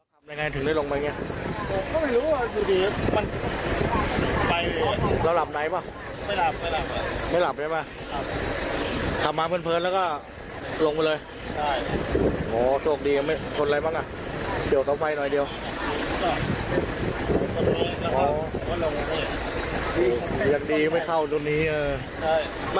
บ้านอยู่แถวไหนอ่ะบ้านเราอยู่ด้วยแพร่อาหารนะครับ